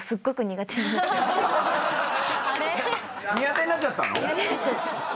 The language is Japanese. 苦手になっちゃったの？